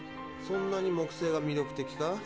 そんなに木星が魅力的か？